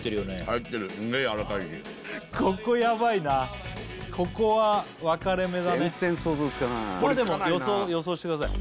入ってるすげえやわらかいしここヤバいなここは分かれ目だね全然想像つかないまあでも予想予想してください